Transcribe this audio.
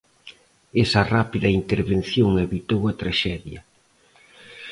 Esa rápida intervención evitou a traxedia.